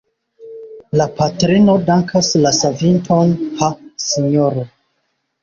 La patrino dankas la savinton: Ha, sinjoro!